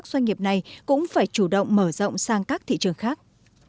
doanh nghiệp này cũng phải chủ động mở rộng sang các thị trường khác